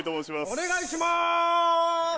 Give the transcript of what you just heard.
お願いします。